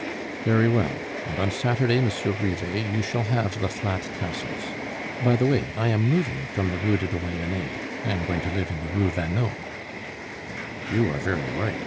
"Very well. And on Saturday, Monsieur Rivet, you shall have the flat tassels. By the way, I am moving from the Rue du Doyenne; I am going to live in the Rue Vanneau." "You are very right.